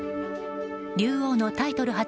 竜王のタイトル初